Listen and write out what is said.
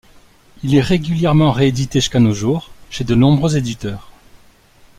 Il est régulièrement réédité jusqu'à nos jours, chez de nombreux éditeurs.